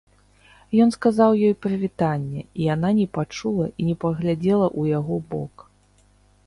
Ён сказаў ёй прывітанне, і яна не пачула і не паглядзела ў яго бок.